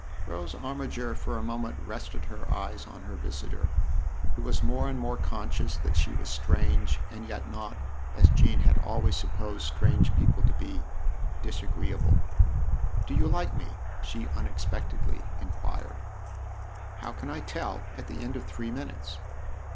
Rose Armiger for a moment rested her eyes on her visitor, who was more and more conscious that 14 THE OTHER HOUSE she was strange and yet not, as Jean had always supposed strange people to be, disagreeable. " Do you like me ?" she unexpectedly inquired. " How can I tell at the end of three minutes